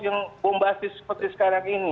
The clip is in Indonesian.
yang bombastis seperti sekarang ini